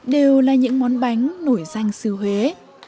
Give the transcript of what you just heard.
đều là những món bánh nổi danh xứ huế